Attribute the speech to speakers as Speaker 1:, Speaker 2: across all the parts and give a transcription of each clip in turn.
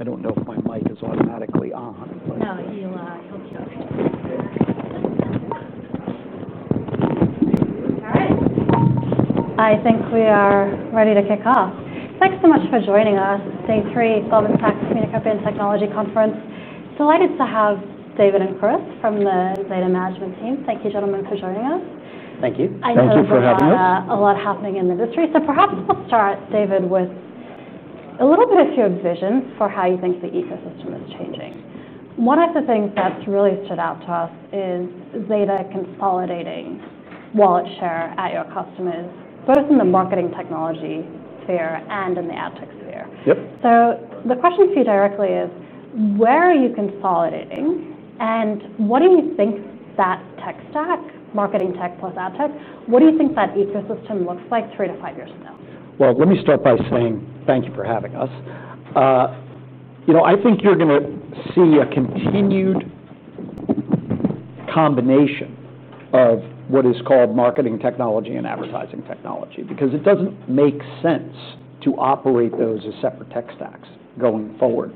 Speaker 1: I don't know if my mic is automatically on.
Speaker 2: No, you'll just hear it.
Speaker 3: All right. I think we are ready to kick off. Thanks so much for joining us, Day Three Goldman Sachs Communicopia + Technology Conference. Delighted to have David and Chris from the Zeta Management Team. Thank you, gentlemen, for joining us.
Speaker 1: Thank you.
Speaker 4: Thank you for having us.
Speaker 3: A lot happening in the industry. Perhaps we'll start, David, with a little bit of your vision for how you think the ecosystem is changing. One of the things that's really stood out to us is Zeta consolidating wallet share at your customers, both in the marketing technology sphere and in the adtech sphere.
Speaker 1: Yep.
Speaker 3: The question for you directly is, where are you consolidating? What do you think that tech stack, marketing tech plus adtech, what do you think that ecosystem looks like three to five years from now?
Speaker 1: Thank you for having us. I think you're going to see a continued combination of what is called marketing technology and advertising technology because it doesn't make sense to operate those as separate tech stacks going forward.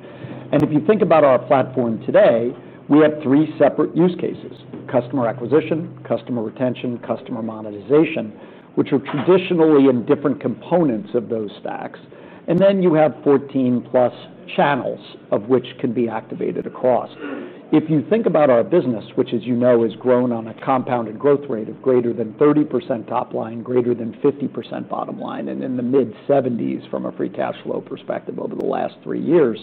Speaker 1: If you think about our platform today, we have three separate use cases: customer acquisition, customer retention, customer monetization, which are traditionally in different components of those stacks. You have 14+ channels which can be activated across. If you think about our business, which, as you know, has grown on a compounded growth rate of greater than 30% top line, greater than 50% bottom line, and in the mid-70s percent from a free cash flow perspective over the last three years,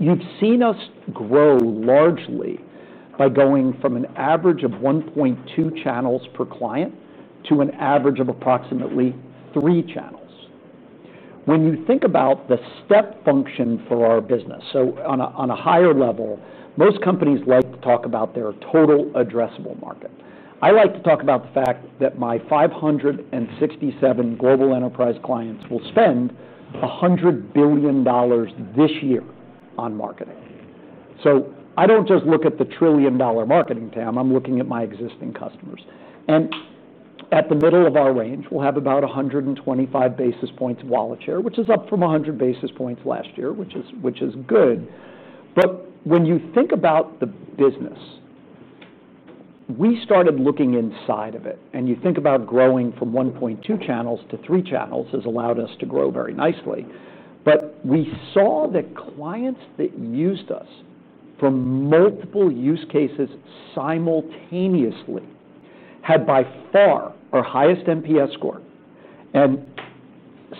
Speaker 1: you've seen us grow largely by going from an average of 1.2 channels per client to an average of approximately three channels. When you think about the step function for our business, on a higher level, most companies like to talk about their total addressable market. I like to talk about the fact that my 567 global enterprise clients will spend $100 billion this year on marketing. I don't just look at the trillion-dollar marketing TAM, I'm looking at my existing customers. At the middle of our range, we'll have about 125 basis points of wallet share, which is up from 100 basis points last year, which is good. When you think about the business, we started looking inside of it. Growing from 1.2 channels to three channels has allowed us to grow very nicely. We saw that clients that used us for multiple use cases simultaneously had by far our highest NPS score and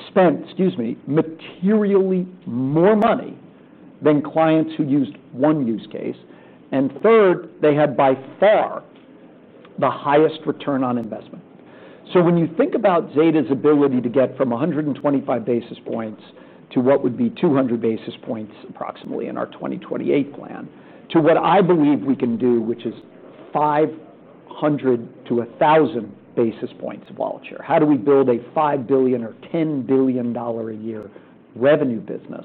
Speaker 1: spent, excuse me, materially more money than clients who used one use case. Third, they had by far the highest return on investment. When you think about Zeta's ability to get from 125 basis points to what would be 200 basis points approximately in our 2028 plan to what I believe we can do, which is 500-1,000 basis points of wallet share, how do we build a $5 billion or $10 billion a year revenue business?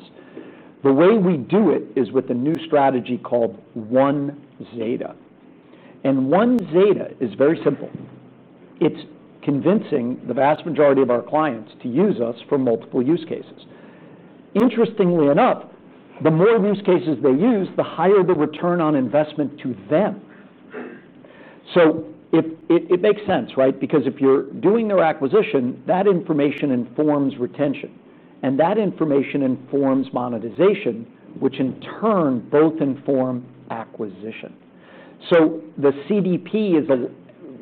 Speaker 1: The way we do it is with a new strategy called One Zeta. One Zeta is very simple. It's convincing the vast majority of our clients to use us for multiple use cases. Interestingly enough, the more use cases they use, the higher the return on investment to them. It makes sense, right? Because if you're doing their acquisition, that information informs retention. That information informs monetization, which in turn both inform acquisition. The CDP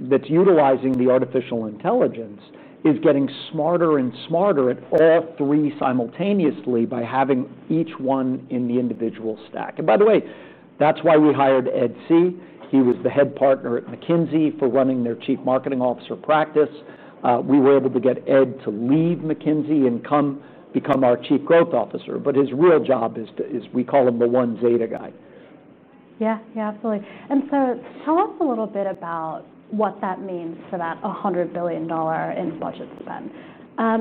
Speaker 1: that's utilizing the artificial intelligence is getting smarter and smarter at all three simultaneously by having each one in the individual stack. By the way, that's why we hired Ed See. He was the Head Partner at McKinsey for running their Chief Marketing Officer practice. We were able to get Ed to leave McKinsey and come become our Chief Growth Officer. His real job is, we call him the One Zeta guy.
Speaker 3: Yeah, absolutely. Tell us a little bit about what that means for that $100 billion in budget spend.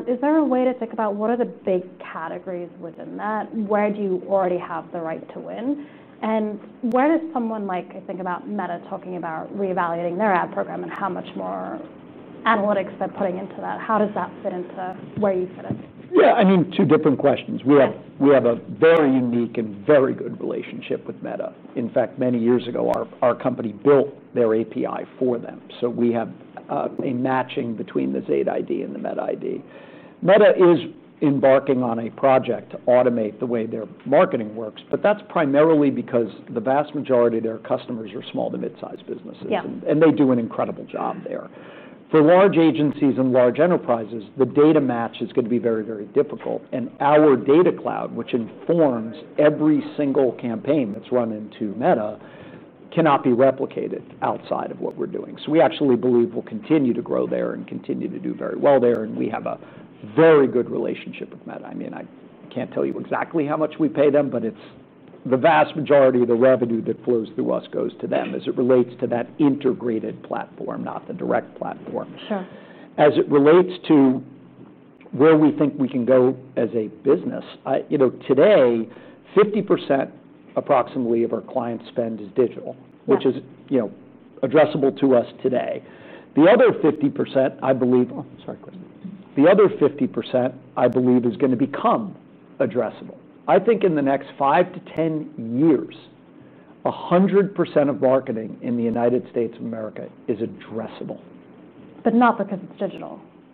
Speaker 3: Is there a way to think about what are the big categories within that? Where do you already have the right to win? Where does someone like, I think about Meta talking about reevaluating their ad program and how much more analytics they're putting into that, how does that fit into where you fit in?
Speaker 1: Yeah, I mean, two different questions. We have a very unique and very good relationship with Meta. In fact, many years ago, our company built their API for them. We have a matching between the Zeta ID and the Meta ID. Meta is embarking on a project to automate the way their marketing works. That's primarily because the vast majority of their customers are small to mid-sized businesses, and they do an incredible job there. For large agencies and large enterprises, the data match is going to be very, very difficult. Our data cloud, which informs every single campaign that's run into Meta, cannot be replicated outside of what we're doing. We actually believe we'll continue to grow there and continue to do very well there. We have a very good relationship with Meta. I can't tell you exactly how much we pay them, but the vast majority of the revenue that flows through us goes to them as it relates to that integrated platform, not the direct platform.
Speaker 3: Sure.
Speaker 1: As it relates to where we think we can go as a business, today, 50% approximately of our client spend is digital, which is addressable to us today. The other 50%, I believe, is going to become addressable. I think in the next five to 10 years, 100% of marketing in the United States of America is addressable.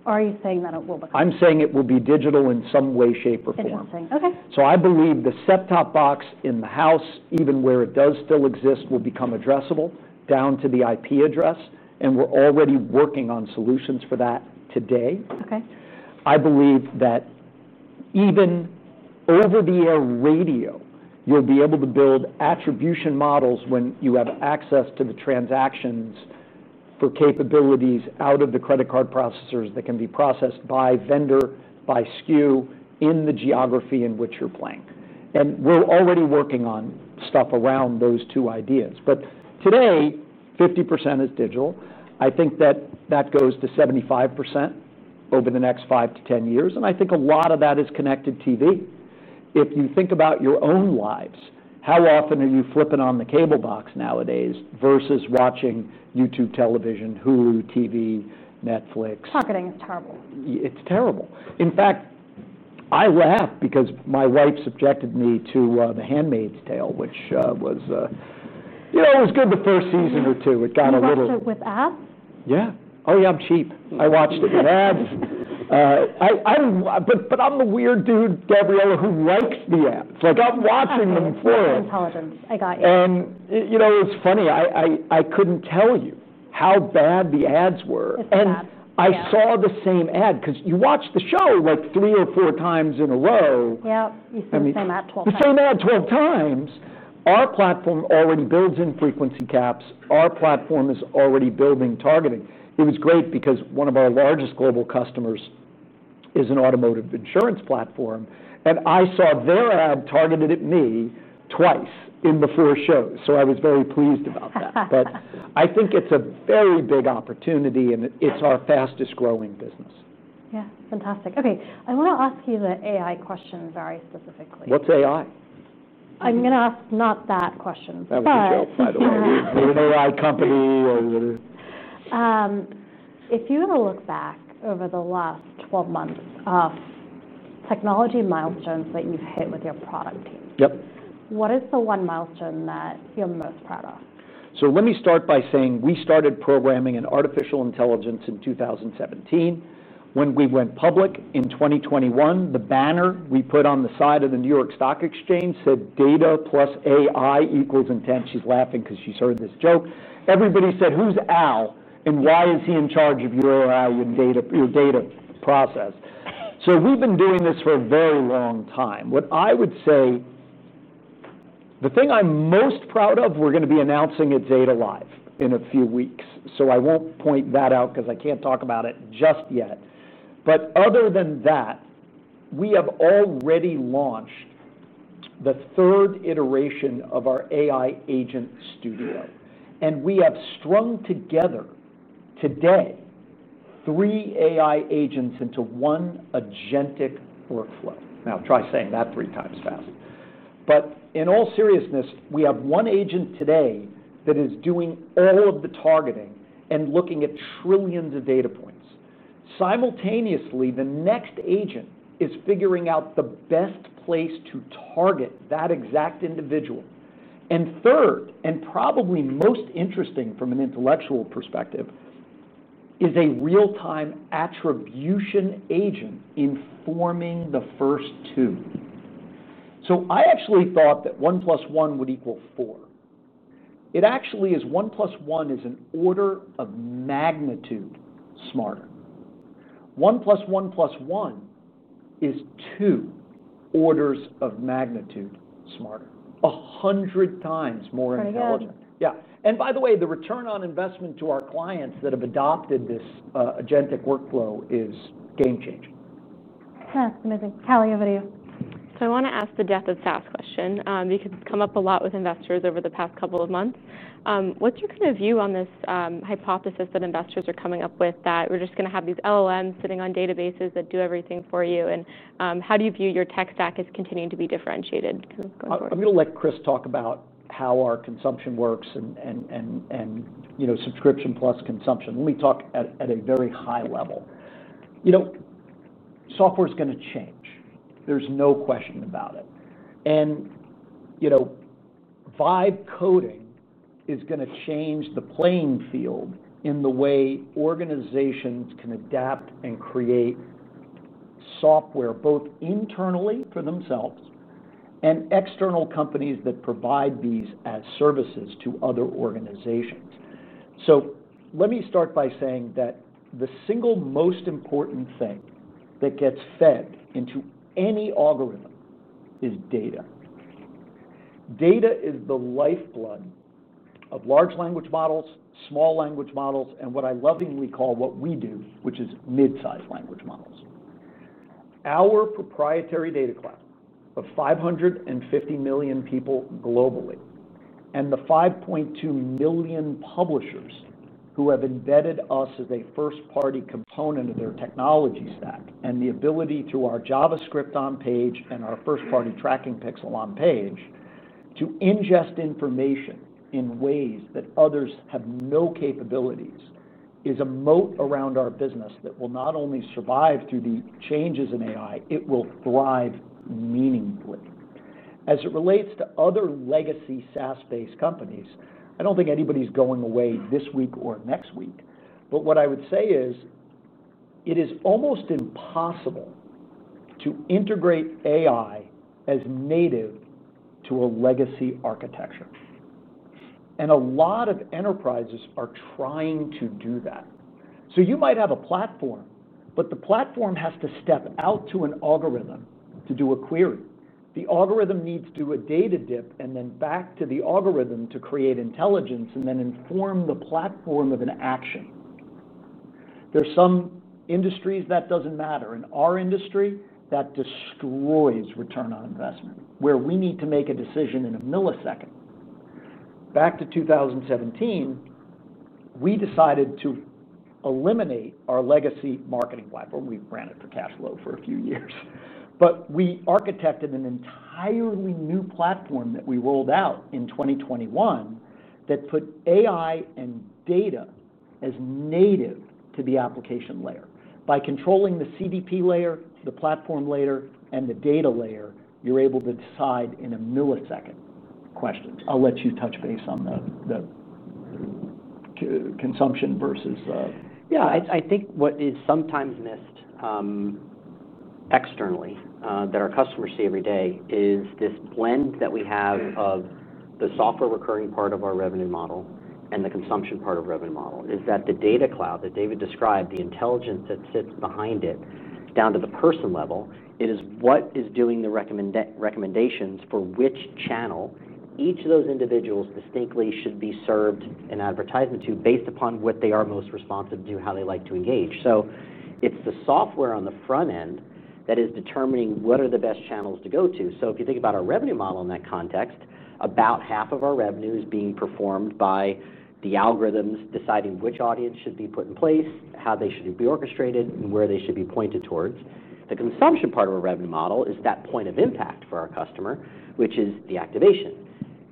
Speaker 3: Are you saying that it will become?
Speaker 1: I'm saying it will be digital in some way, shape, or form.
Speaker 3: In one thing, OK.
Speaker 1: I believe the set-top box in the house, even where it does still exist, will become addressable down to the IP address. We're already working on solutions for that today.
Speaker 3: OK.
Speaker 1: I believe that even over-the-air radio, you'll be able to build attribution models when you have access to the transactions for capabilities out of the credit card processors that can be processed by vendor, by SKU in the geography in which you're playing. We're already working on stuff around those two ideas. Today, 50% is digital. I think that goes to 75% over the next five to 10 years. I think a lot of that is connected TV. If you think about your own lives, how often are you flipping on the cable box nowadays versus watching YouTube television, Hulu TV, Netflix?
Speaker 3: Targeting is terrible.
Speaker 1: It's terrible. In fact, I laugh because my wife subjected me to The Handmaid's Tale, which was, you know, it was good the first season or two. It got a little.
Speaker 3: You watched it with ads?
Speaker 1: Yeah. Oh, yeah, I'm cheap. I watched it with ads. I'm the weird dude, Gabriela, who likes the ads. I'm watching them full.
Speaker 2: Intelligence. I got you.
Speaker 1: You know, it was funny. I couldn't tell you how bad the ads were. I saw the same ad because you watch the show like three or four times in a row.
Speaker 2: Yeah, you see the same ad 12 times.
Speaker 1: The same ad 12 times. Our platform already builds in frequency caps, and our platform is already building targeting. It was great because one of our largest global customers is an automotive insurance platform, and I saw their ad targeted at me twice in the four shows. I was very pleased about that. I think it's a very big opportunity, and it's our fastest growing business.
Speaker 2: Yeah, fantastic. OK, I want to ask you the AI question very specifically.
Speaker 1: What's AI?
Speaker 2: I'm going to ask not that question.
Speaker 1: That would be dope, by the way. We're an AI company.
Speaker 2: If you were to look back over the last 12 months of technology milestones that you've hit with your product team, what is the one milestone that you're most proud of?
Speaker 1: Let me start by saying we started programming in artificial intelligence in 2017. When we went public in 2021, the banner we put on the side of the New York Stock Exchange said, "Data plus AI equals intent." She's laughing because she's heard this joke. Everybody said, "Who's Al? And why is he in charge of your AI and your data process?" We've been doing this for a very long time. What I would say, the thing I'm most proud of, we're going to be announcing at Zeta Live in a few weeks. I won't point that out because I can't talk about it just yet. Other than that, we have already launched the third iteration of our AI Agent Studio. We have strung together today three AI agents into one agentic workflow. Now try saying that 3x fast. In all seriousness, we have one agent today that is doing all of the targeting and looking at trillions of data points. Simultaneously, the next agent is figuring out the best place to target that exact individual. Third, and probably most interesting from an intellectual perspective, is a real-time attribution agent informing the first two. I actually thought that 1 + 1 = 4. It actually is 1 + 1 is an order of magnitude smarter. 1 + 1 + 1 is two orders of magnitude smarter. 100x more intelligent.
Speaker 2: Critical.
Speaker 1: Yeah. By the way, the return on investment to our clients that have adopted this agentic workflow is game changing.
Speaker 2: Amazing. [inaudible] over to you.
Speaker 3: I want to ask the death of SaaS question. It can come up a lot with investors over the past couple of months. What's your kind of view on this hypothesis that investors are coming up with that we're just going to have these LLMs sitting on databases that do everything for you? How do you view your tech stack as continuing to be differentiated going forward?
Speaker 1: I'm going to let Chris talk about how our consumption works and subscription plus consumption. Let me talk at a very high level. Software is going to change. There's no question about it. Vibe coding is going to change the playing field in the way organizations can adapt and create software both internally for themselves and external companies that provide these as services to other organizations. Let me start by saying that the single most important thing that gets fed into any algorithm is data. Data is the lifeblood of large language models, small language models, and what I lovingly call what we do, which is mid-sized language models. Our proprietary data cloud of 550 million people globally and the 5.2 million publishers who have embedded us as a first-party component of their technology stack and the ability through our JavaScript on-page and our first-party tracking pixel on-page to ingest information in ways that others have no capabilities is a moat around our business that will not only survive through the changes in AI, it will thrive meaningfully. As it relates to other legacy SaaS-based companies, I don't think anybody's going away this week or next week. What I would say is it is almost impossible to integrate AI as native to a legacy architecture. A lot of enterprises are trying to do that. You might have a platform, but the platform has to step out to an algorithm to do a query. The algorithm needs to do a data dip and then back to the algorithm to create intelligence and then inform the platform of an action. There are some industries that doesn't matter. In our industry, that destroys return on investment where we need to make a decision in a millisecond. Back to 2017, we decided to eliminate our legacy marketing platform. We ran it for cash flow for a few years. We architected an entirely new platform that we rolled out in 2021 that put AI and data as native to the application layer. By controlling the CDP layer, the platform layer, and the data layer, you're able to decide in a millisecond question. I'll let you touch base on the consumption versus.
Speaker 4: Yeah, I think what is sometimes missed externally that our customers see every day is this blend that we have of the software recurring part of our revenue model and the consumption part of the revenue model. The data cloud that David described, the intelligence that sits behind it down to the person level, is what is doing the recommendations for which channel each of those individuals distinctly should be served an advertisement to based upon what they are most responsive to, how they like to engage. It's the software on the front end that is determining what are the best channels to go to. If you think about our revenue model in that context, about half of our revenue is being performed by the algorithms deciding which audience should be put in place, how they should be orchestrated, and where they should be pointed towards. The consumption part of our revenue model is that point of impact for our customer, which is the activation.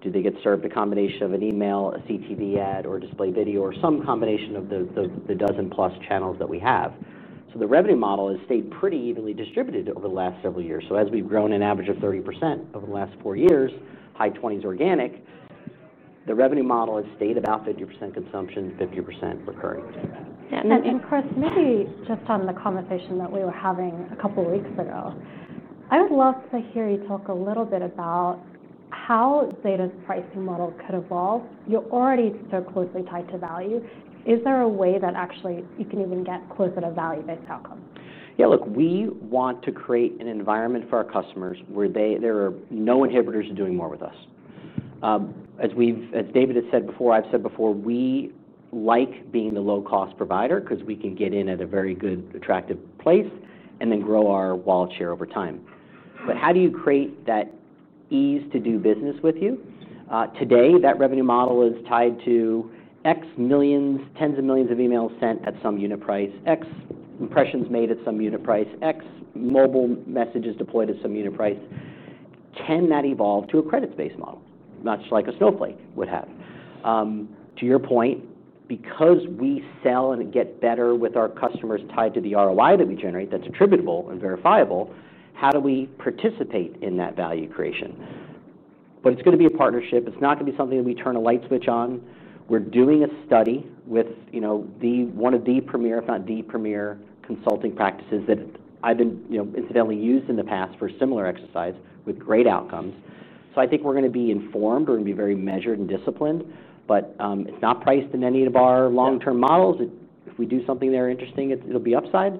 Speaker 4: Do they get served a combination of an email, a CTV ad, or display video, or some combination of the dozen plus channels that we have? The revenue model has stayed pretty evenly distributed over the last several years. As we've grown an average of 30% over the last four years, high 20s percent organic, the revenue model has stayed about 50% consumption, 50% recurring.
Speaker 3: Yeah, and Chris, maybe just on the conversation that we were having a couple of weeks ago, I would love to hear you talk a little bit about how Zeta's pricing model could evolve. You're already so closely tied to value. Is there a way that actually you can even get closer to value-based outcomes?
Speaker 4: Yeah, look, we want to create an environment for our customers where there are no inhibitors to doing more with us. As David has said before, I've said before, we like being the low-cost provider because we can get in at a very good, attractive place and then grow our wallet share over time. How do you create that ease to do business with you? Today, that revenue model is tied to X millions, tens of millions of emails sent at some unit price, X impressions made at some unit price, X mobile messages deployed at some unit price. Can that evolve to a credit-based pricing model, much like a Snowflake would have? To your point, because we sell and get better with our customers tied to the ROI that we generate that's attributable and verifiable, how do we participate in that value creation? It's going to be a partnership. It's not going to be something that we turn a light switch on. We're doing a study with one of the premier, if not the premier, consulting practices that I've incidentally used in the past for a similar exercise with great outcomes. I think we're going to be informed. We're going to be very measured and disciplined. It's not priced in any of our long-term models. If we do something there interesting, it'll be upside.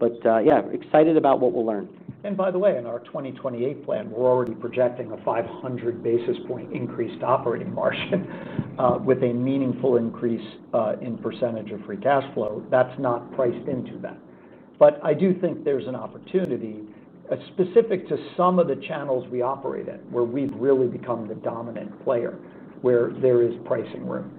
Speaker 4: Yeah, excited about what we'll learn.
Speaker 1: By the way, in our 2028 plan, we're already projecting a 500 basis point increased operating margin with a meaningful increase in percentage of free cash flow. That is not priced into that. I do think there's an opportunity specific to some of the channels we operate at where we've really become the dominant player, where there is pricing room.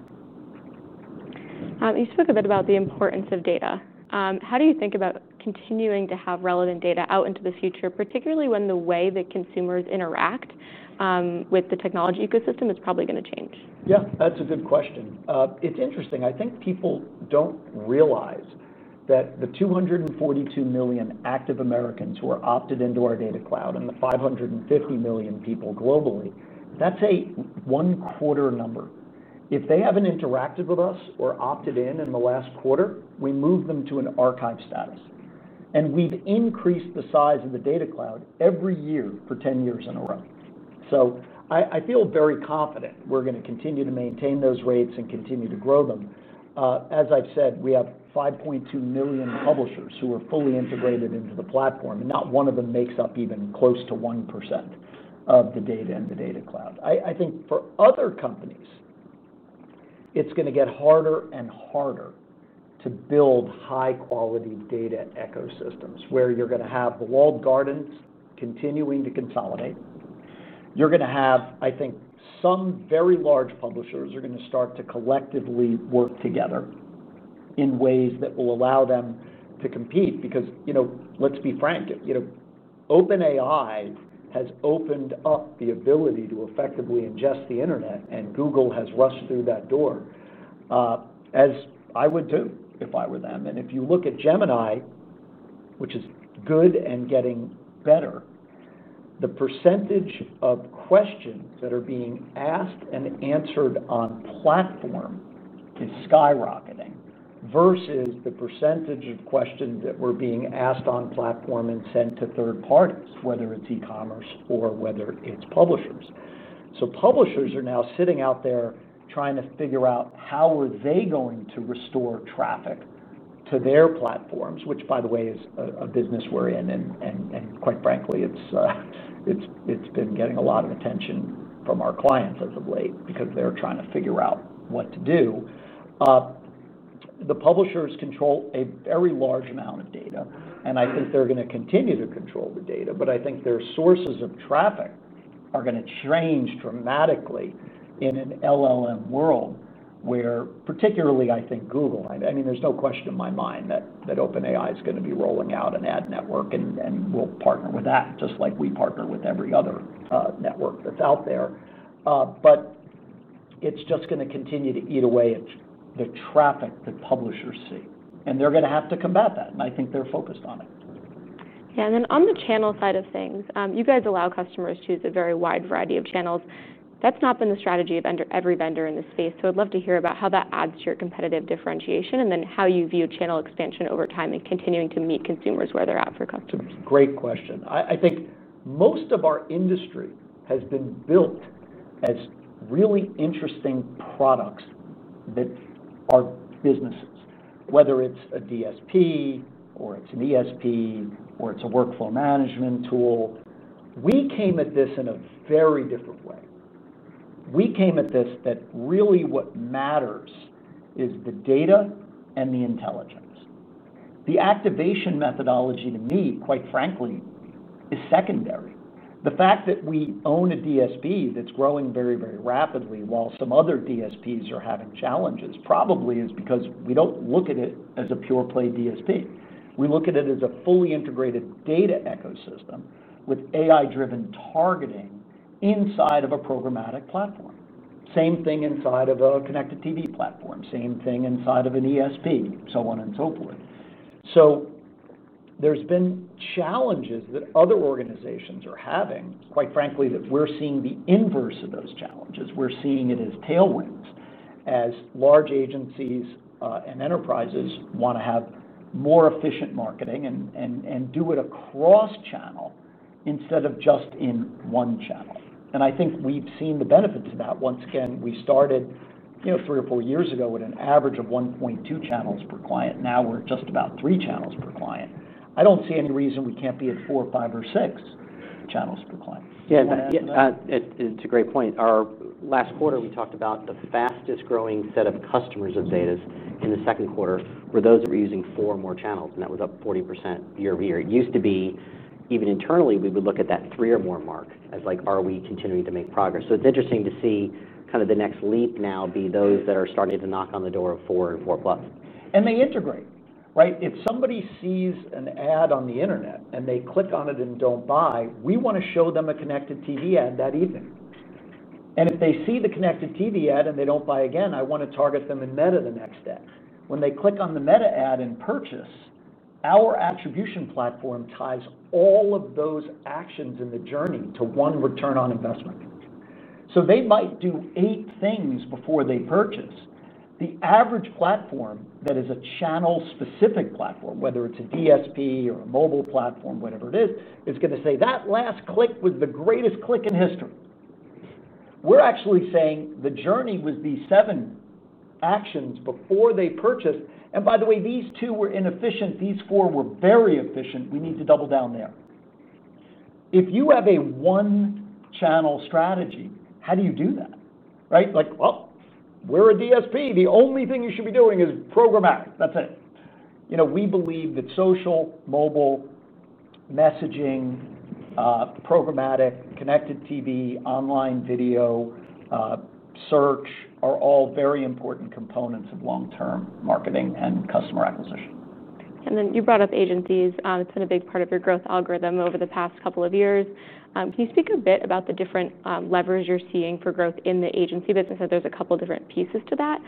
Speaker 3: You spoke a bit about the importance of data. How do you think about continuing to have relevant data out into the future, particularly when the way that consumers interact with the technology ecosystem is probably going to change?
Speaker 1: Yeah, that's a good question. It's interesting. I think people don't realize that the 242 million active Americans who are opted into our data cloud and the 550 million people globally, that's a one-quarter number. If they haven't interacted with us or opted in in the last quarter, we move them to an archive status. We've increased the size of the data cloud every year for 10 years in a row. I feel very confident we're going to continue to maintain those rates and continue to grow them. As I've said, we have 5.2 million publishers who are fully integrated into the platform, and not one of them makes up even close to 1% of the data in the data cloud. I think for other companies, it's going to get harder and harder to build high-quality data ecosystems where you're going to have the walled gardens continuing to consolidate. I think some very large publishers are going to start to collectively work together in ways that will allow them to compete. Because, you know, let's be frank, OpenAI has opened up the ability to effectively ingest the Internet. Google has rushed through that door, as I would do if I were them. If you look at Gemini, which is good and getting better, the percentage of questions that are being asked and answered on platform is skyrocketing versus the percentage of questions that were being asked on platform and sent to third parties, whether it's e-commerce or whether it's publishers. Publishers are now sitting out there trying to figure out how they are going to restore traffic to their platforms, which, by the way, is a business we're in. Quite frankly, it's been getting a lot of attention from our clients as of late because they're trying to figure out what to do. The publishers control a very large amount of data, and I think they're going to continue to control the data. I think their sources of traffic are going to change dramatically in an LLM world where, particularly, I think Google, I mean, there's no question in my mind that OpenAI is going to be rolling out an ad network. We'll partner with that just like we partner with every other network that's out there. It's just going to continue to eat away at the traffic that publishers see, and they're going to have to combat that. I think they're focused on it.
Speaker 3: Yeah, and on the channel side of things, you guys allow customers to use a very wide variety of channels. That's not been the strategy of every vendor in this space. I'd love to hear about how that adds to your competitive differentiation and how you view channel expansion over time and continuing to meet consumers where they're at for customers.
Speaker 1: Great question. I think most of our industry has been built as really interesting products that are businesses, whether it's a DSP or it's an ESP or it's a workflow management tool. We came at this in a very different way. We came at this that really what matters is the data and the intelligence. The activation methodology to me, quite frankly, is secondary. The fact that we own a DSP that's growing very, very rapidly while some other DSPs are having challenges probably is because we don't look at it as a pure-play DSP. We look at it as a fully integrated data ecosystem with AI-driven targeting inside of a programmatic platform. Same thing inside of a connected TV platform, same thing inside of an ESP, so on and so forth. There have been challenges that other organizations are having, quite frankly, that we're seeing the inverse of those challenges. We're seeing it as tailwinds, as large agencies and enterprises want to have more efficient marketing and do it across channel instead of just in one channel. I think we've seen the benefits of that. Once again, we started three or four years ago with an average of 1.2 channels per client. Now we're at just about three channels per client. I don't see any reason we can't be at four, five, or six channels per client.
Speaker 4: Yeah, it's a great point. Our last quarter, we talked about the fastest growing set of customers of Zeta's in the second quarter were those that were using four or more channels, and that was up 40% year-over-year. It used to be, even internally, we would look at that three or more mark as like, are we continuing to make progress? It's interesting to see kind of the next leap now be those that are starting to knock on the door of four or 4+.
Speaker 1: They integrate, right? If somebody sees an ad on the Internet and they click on it and don't buy, we want to show them a connected TV ad that evening. If they see the connected TV ad and they don't buy again, I want to target them in Meta the next day. When they click on the Meta ad and purchase, our attribution platform ties all of those actions in the journey to one return on investment. They might do eight things before they purchase. The average platform that is a channel-specific platform, whether it's a DSP or a mobile platform, whatever it is, is going to say that last click was the greatest click in history. We're actually saying the journey was these seven actions before they purchase. By the way, these two were inefficient. These four were very efficient. We need to double down there. If you have a one-channel strategy, how do you do that? We're a DSP. The only thing you should be doing is programmatic. That's it. We believe that social, mobile messaging, programmatic, connected TV, online video, and search are all very important components of long-term marketing and customer acquisition.
Speaker 3: You brought up agencies. It's been a big part of your growth algorithm over the past couple of years. Can you speak a bit about the different levers you're seeing for growth in the agency business? There's a couple of different pieces to that.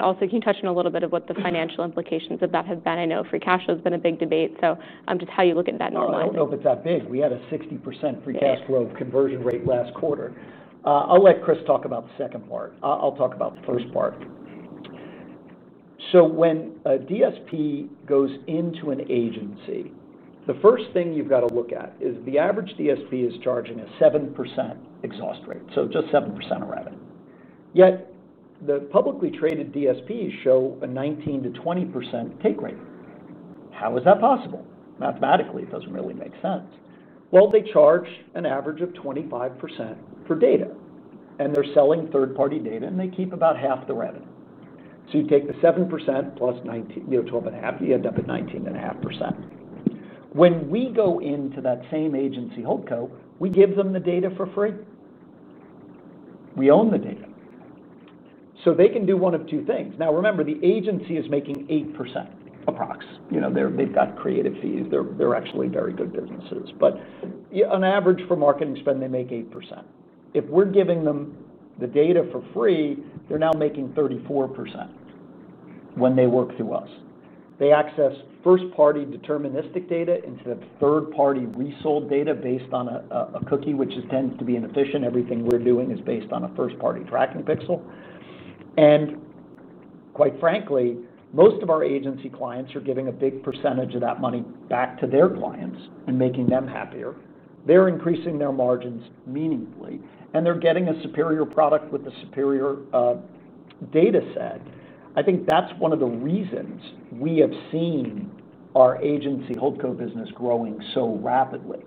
Speaker 3: Also, can you touch on a little bit of what the financial implications of that have been? I know free cash flow has been a big debate. Just how you look at that normally.
Speaker 1: I don't know if it's that big. We had a 60% free cash flow conversion rate last quarter. I'll let Chris talk about the second part. I'll talk about the first part. When a DSP goes into an agency, the first thing you've got to look at is the average DSP is charging a 7% exhaust rate, just 7% of revenue. Yet the publicly traded DSPs show a 19%-20% take rate. How is that possible? Mathematically, it doesn't really make sense. They charge an average of 25% for data, and they're selling third-party data. They keep about half the revenue. You take the 7% + 12.5%, you end up at 19.5%. When we go into that same agency, Holdco, we give them the data for free. We own the data, so they can do one of two things. Now remember, the agency is making 8% approx. You know, they've got creative fees. They're actually very good businesses, but on average for marketing spend, they make 8%. If we're giving them the data for free, they're now making 34% when they work through us. They access first-party deterministic data instead of third-party resold data based on a cookie, which tends to be inefficient. Everything we're doing is based on a first-party tracking pixel. Quite frankly, most of our agency clients are giving a big percentage of that money back to their clients and making them happier. They're increasing their margins meaningfully, and they're getting a superior product with a superior data set. I think that's one of the reasons we have seen our agency Holdco business growing so rapidly.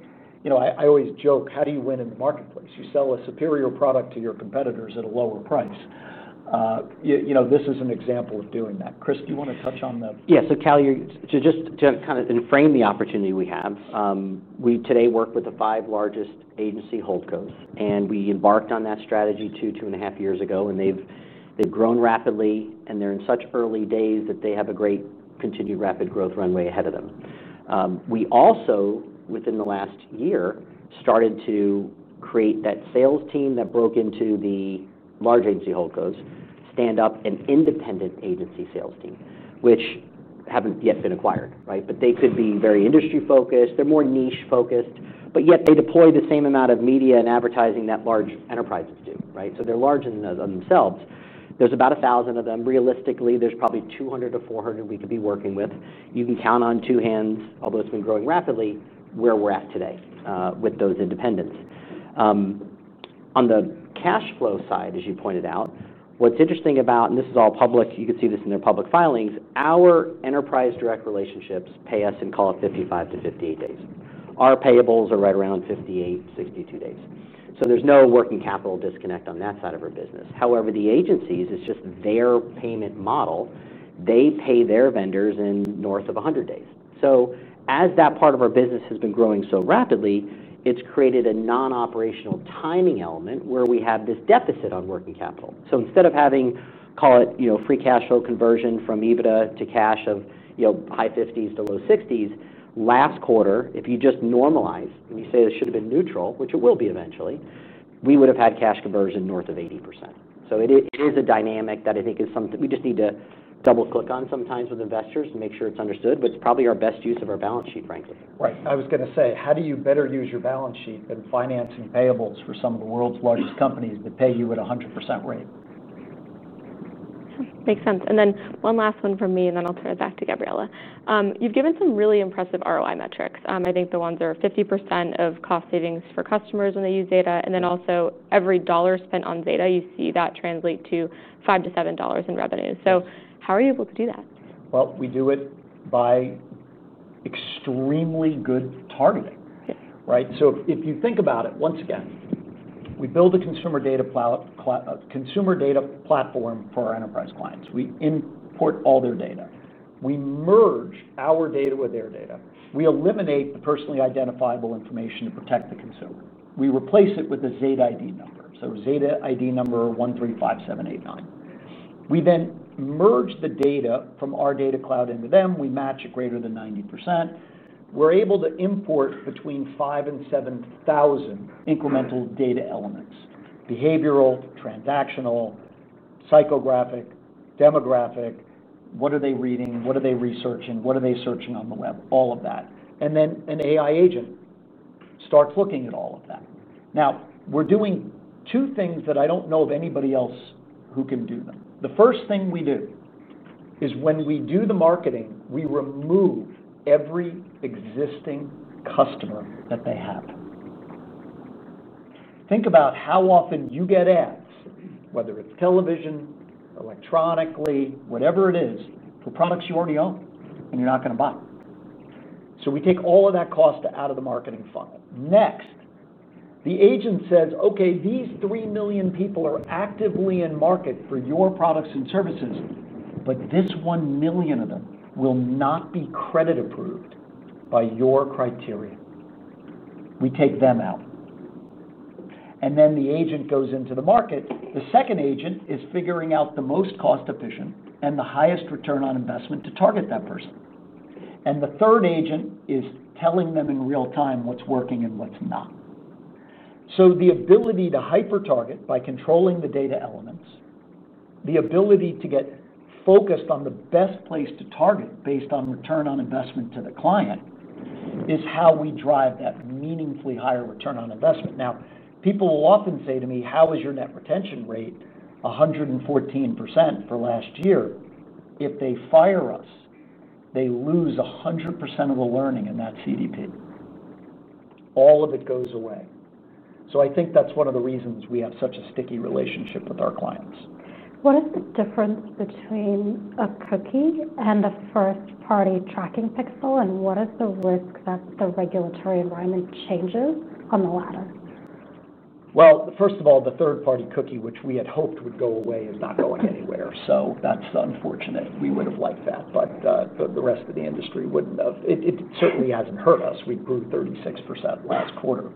Speaker 1: I always joke, how do you win in the marketplace? You sell a superior product to your competitors at a lower price. This is an example of doing that. Chris, do you want to touch on the?
Speaker 4: Yeah, [inaudible] to just to kind of frame the opportunity we have, we today work with the five largest agency Holdcos. We embarked on that strategy two, two and a half years ago. They've grown rapidly, and they're in such early days that they have a great continued rapid growth runway ahead of them. We also, within the last year, started to create that sales team that broke into the large agency Holdcos, stand up an independent agency sales team, which haven't yet been acquired, right? They could be very industry-focused. They're more niche-focused, but yet they deploy the same amount of media and advertising that large enterprises do, right? They're large in themselves. There's about 1,000 of them. Realistically, there's probably 200-400 we could be working with. You can count on two hands, although it's been growing rapidly, where we're at today with those independents. On the cash flow side, as you pointed out, what's interesting about, and this is all public, you can see this in their public filings, our enterprise direct relationships pay us in, call it, 55-58 days. Our payables are right around 58, 62 days. There's no working capital disconnect on that side of our business. However, the agencies, it's just their payment model. They pay their vendors in north of 100 days. As that part of our business has been growing so rapidly, it's created a non-operational timing element where we have this deficit on working capital. Instead of having, call it, free cash flow conversion from EBITDA to cash of high 50%-low 60%, last quarter, if you just normalize, and you say this should have been neutral, which it will be eventually, we would have had cash conversion north of 80%. It is a dynamic that I think is something we just need to double-click on sometimes with investors and make sure it's understood. It's probably our best use of our balance sheet, frankly.
Speaker 1: Right. I was going to say, how do you better use your balance sheet than financing payables for some of the world's largest companies that pay you at a 100% rate?
Speaker 3: Makes sense. One last one from me, and then I'll turn it back to Gabriela. You've given some really impressive ROI metrics. I think the ones are 50% of cost savings for customers when they use Zeta. Also, every dollar spent on Zeta, you see that translate to $5-$7 in revenue. How are you able to do that?
Speaker 1: We do it by extremely good targeting, right? If you think about it, once again, we build a consumer data platform for our enterprise clients. We import all their data. We merge our data with their data. We eliminate the personally identifiable information to protect the consumer. We replace it with a Zeta ID number, so Zeta ID number 135789. We then merge the data from our data cloud into them. We match it greater than 90%. We're able to import between 5,000 and 7,000 incremental data elements: behavioral, transactional, psychographic, demographic. What are they reading? What are they researching? What are they searching on the web? All of that. An AI agent starts looking at all of that. Now, we're doing two things that I don't know of anybody else who can do them. The first thing we do is when we do the marketing, we remove every existing customer that they have. Think about how often you get ads, whether it's television, electronically, whatever it is, for products you already own and you're not going to buy. We take all of that cost out of the marketing funnel. Next, the agent says, OK, these 3 million people are actively in market for your products and services, but this 1 million of them will not be credit approved by your criteria. We take them out. The agent goes into the market. The second agent is figuring out the most cost-efficient and the highest return on investment to target that person. The third agent is telling them in real-time what's working and what's not. The ability to hyper-target by controlling the data elements, the ability to get focused on the best place to target based on return on investment to the client is how we drive that meaningfully higher return on investment. People will often say to me, how is your net retention rate 114% for last year? If they fire us, they lose 100% of the learning in that CDP. All of it goes away. I think that's one of the reasons we have such a sticky relationship with our clients.
Speaker 2: What is the difference between a cookie and the first-party tracking pixel? What is the risk that the regulatory environment changes on the latter?
Speaker 1: The third-party cookie, which we had hoped would go away, is not going anywhere. That's unfortunate. We would have liked that. The rest of the industry wouldn't have. It certainly hasn't hurt us. We grew 36% last quarter.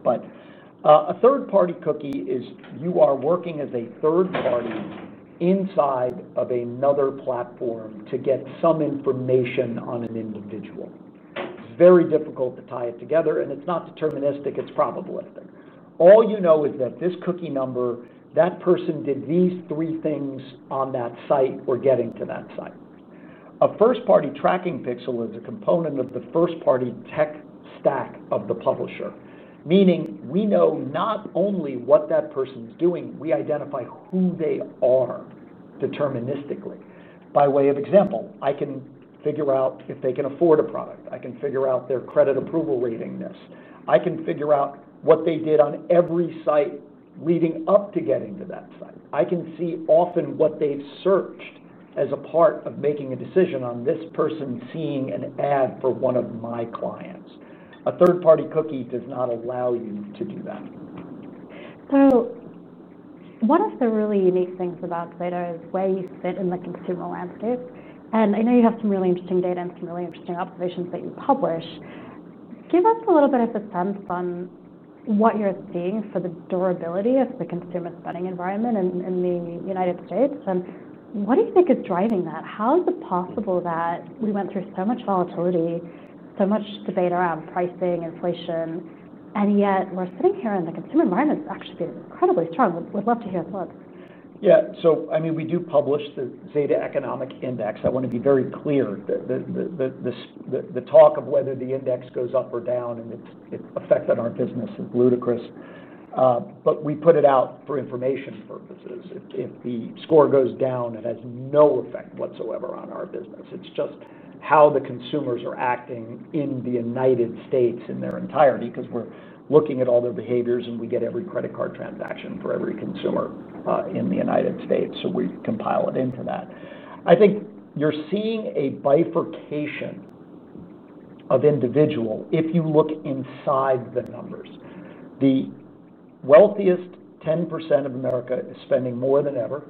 Speaker 1: A third-party cookie is you are working as a third-party inside of another platform to get some information on an individual. It's very difficult to tie it together, and it's not deterministic. It's probabilistic. All you know is that this cookie number, that person did these three things on that site or getting to that site. A first-party tracking pixel is a component of the first-party tech stack of the publisher, meaning we know not only what that person's doing, we identify who they are deterministically. By way of example, I can figure out if they can afford a product. I can figure out their credit approval rating. I can figure out what they did on every site leading up to getting to that site. I can see often what they've searched as a part of making a decision on this person seeing an ad for one of my clients. A third-party cookie does not allow you to do that.
Speaker 2: One of the really unique things about Zeta is where you sit in the consumer landscape. I know you have some really interesting data and some really interesting observations that you publish. Give us a little bit of a sense on what you're seeing for the durability of the consumer spending environment in the United States. What do you think is driving that? How is it possible that we went through so much volatility, so much debate around pricing, inflation, and yet we're sitting here and the consumer environment's actually been incredibly strong? We'd love to hear your thoughts.
Speaker 1: Yeah, so I mean, we do publish the Zeta Economic Index. I want to be very clear that the talk of whether the index goes up or down and its effect on our business is ludicrous. We put it out for information purposes. If the score goes down, it has no effect whatsoever on our business. It's just how the consumers are acting in the United States in their entirety because we're looking at all their behaviors. We get every credit card transaction for every consumer in the United States. We compile it into that. I think you're seeing a bifurcation of individual if you look inside the numbers. The wealthiest 10% of America is spending more than ever.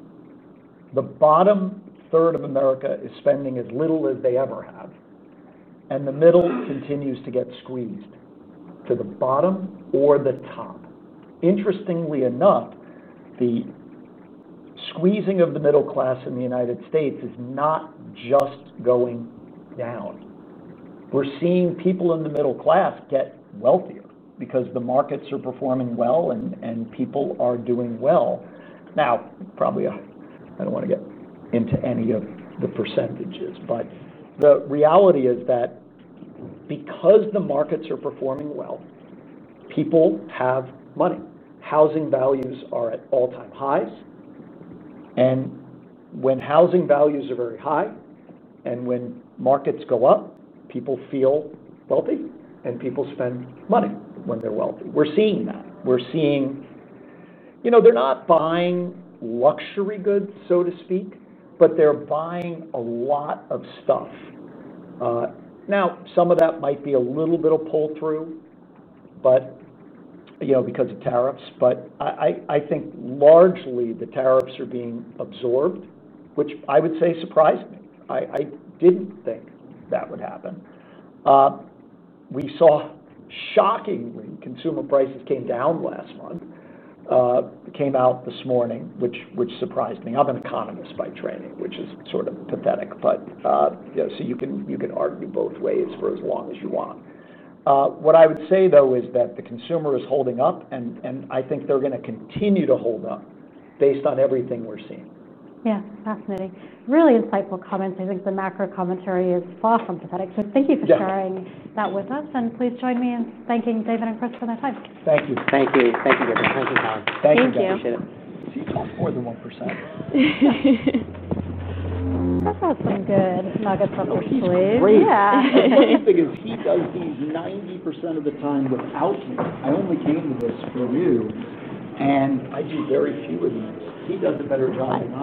Speaker 1: The bottom third of America is spending as little as they ever have. The middle continues to get squeezed to the bottom or the top. Interestingly enough, the squeezing of the middle class in the United States is not just going down. We're seeing people in the middle class get wealthier because the markets are performing well and people are doing well. Now, probably I don't want to get into any of the percentages. The reality is that because the markets are performing well, people have money. Housing values are at all-time highs. When housing values are very high and when markets go up, people feel wealthy. People spend money when they're wealthy. We're seeing that. We're seeing, you know, they're not buying luxury goods, so to speak. They're buying a lot of stuff. Some of that might be a little bit of pull-through, you know, because of tariffs. I think largely the tariffs are being absorbed, which I would say surprised me. I didn't think that would happen. We saw shocking when consumer prices came down last month. It came out this morning, which surprised me. I'm an economist by training, which is sort of pathetic. You can argue both ways for as long as you want. What I would say, though, is that the consumer is holding up. I think they're going to continue to hold up based on everything we're seeing.
Speaker 2: Yeah, fascinating. Really insightful comments. I think the macro commentary is far from pathetic. Thank you for sharing that with us. Please join me in thanking David and Chris for their time.
Speaker 1: Thank you.
Speaker 4: Thank you. Thank you, Gabriela. Thank you. [inaudible] I appreciate it.
Speaker 1: She's off more than 1%.
Speaker 2: I've had some good nuggets of oysters.
Speaker 1: The funny thing is he does these 90% of the time without you. I only came to this for you. I do very few of these. He does a better job.